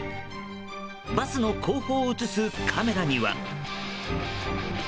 バスの後方を映すカメラには。